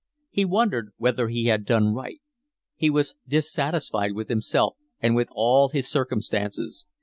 He wondered whether he had done right. He was dissatisfied with himself and with all his circumstances.